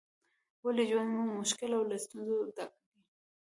ولې ژوند مو مشکل او له ستونزو ډک دی؟